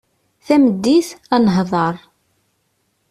Tameddit, ad nehder.